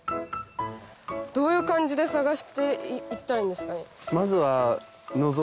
どういう感じで探していったらいいんですかね？